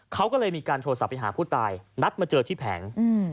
เขาก็เลยมีการโทรศัพท์ไปหาผู้ตายนัดมาเจอที่แผง